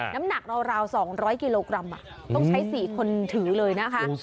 น้ำหนักราว๒๐๐กิโลกรัมต้องใช้๔คนถือเลยนะคะ